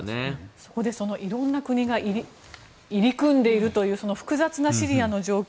そこで、いろんな国が入り組んでいるという複雑なシリアの状況。